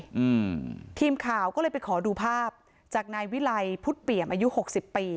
อืมทีมข่าวก็เลยไปขอดูภาพจากนายวิลัยพุทธเปี่ยมอายุหกสิบปี